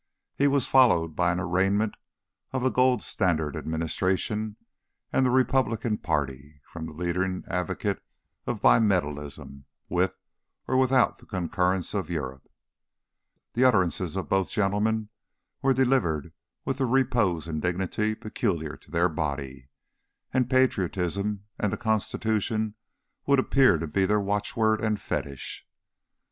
He was followed by an arraignment of the "gold standard Administration" and the Republican Party, from the leading advocate of bimetallism with or without the concurrence of Europe. The utterances of both gentlemen were delivered with the repose and dignity peculiar to their body, and Patriotism and the Constitution would appear to be their watchword and fetish.